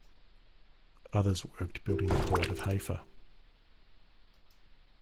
Others worked building the Port of Haifa.